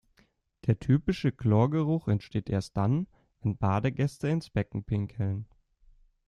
Der typische Chlorgeruch entsteht erst dann, wenn Badegäste ins Becken pinkeln.